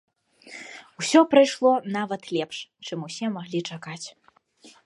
Усё прайшло нават лепш, чым усе маглі чакаць.